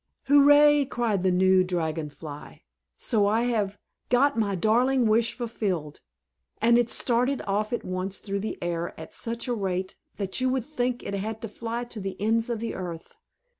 "Hurrah!" cried the new Dragon Fly. "So I have got my darling wish fulfilled!" and it started off at once through the air at such a rate that you would think it had to fly to the ends of the earth.